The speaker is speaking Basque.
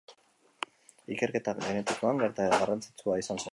Ikerketa genetikoan gertaera garrantzitsua izan zen.